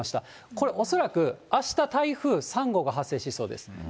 これ、恐らくあした台風３号が発生しそうです。